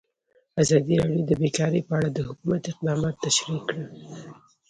ازادي راډیو د بیکاري په اړه د حکومت اقدامات تشریح کړي.